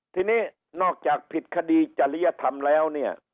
ทีนี้นอกจากผิดคดีจริยธรรมแล้วเนี่ย